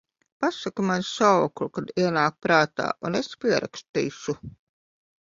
Pasaki man saukli, kad ienāk prātā, un es pierakstīšu…